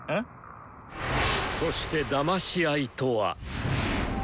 そしてだまし合いとは。